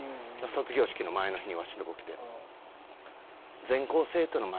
卒業式の前の日にワシんとこ来て。